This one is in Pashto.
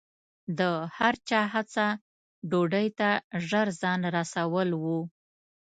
د هر چا هڅه ډوډۍ ته ژر ځان رسول و.